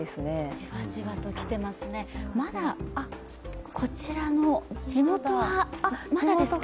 じわじわと来てますね、まだこちらの地元はまだですか？